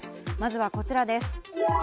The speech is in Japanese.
まずはこちらです。